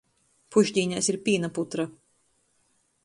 Pušdīnēs ir pīna putra.